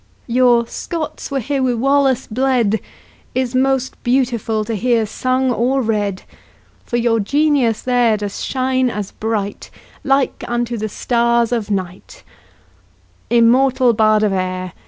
Your "Scots wha hae wi' Wallace bled" Is most beautiful to hear sung or read; For your genius there does shine as bright, Like unto the stars of night Immortal Bard of Ayr!